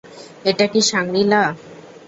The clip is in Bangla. এটা কি শাংরি-লা?